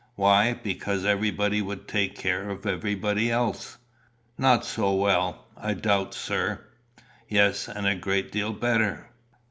"Why, because everybody would take care of everybody else." "Not so well, I doubt, sir." "Yes, and a great deal better."